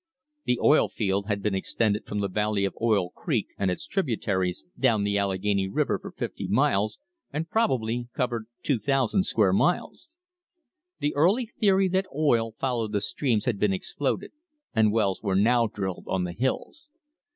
The oil field had been extended from the valley of Oil Creek and its tributaries down the Allegheny River for fifty miles and probably covered 2,000 square miles. The early theory that oil followed the streams had been exploded, and wells were now drilled on the hills.